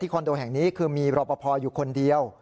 ที่คอนโดแห่งนี้คือมีรอบประพออยู่คนเดียว